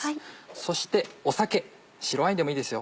そして酒白ワインでもいいですよ